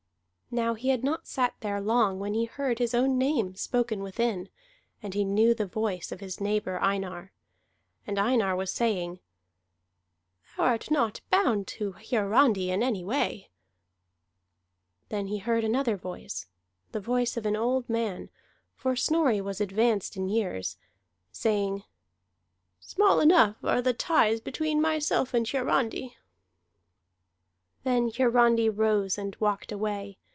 Now he had not sat there long when he heard his own name spoken within, and he knew the voice of his neighbor Einar. And Einar was saying, "Thou art not bound to Hiarandi in any way." Then he heard another voice, the voice of an old man for Snorri was advanced in years saying: "Small enough are the ties between myself and Hiarandi." Then Hiarandi rose and walked away.